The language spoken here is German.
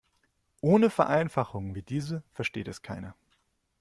Ohne Vereinfachungen wie diese versteht es keiner.